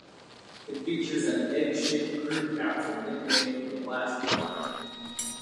It features an egg-shaped crew capsule nicknamed the "blast bucket".